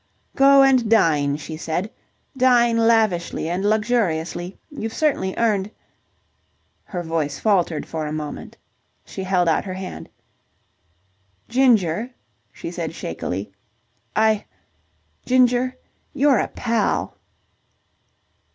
"Go and dine," she said. "Dine lavishly and luxuriously. You've certainly earned..." Her voice faltered for a moment. She held out her hand. "Ginger," she said shakily, "I... Ginger, you're a pal."